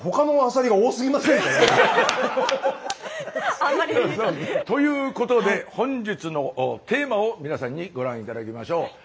あんまり目立たない。ということで本日のテーマを皆さんにご覧頂きましょう。